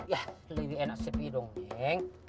ya lebih enak sepi dongeng